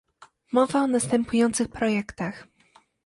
Mowa o następujących projektach